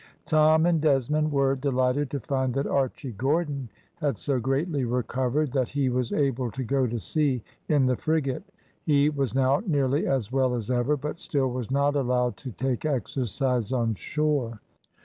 Tom and Desmond were delighted to find that Archy Gordon had so greatly recovered that he was able to go to sea in the frigate he was now nearly as well as ever, but still was not allowed to take exercise on shore.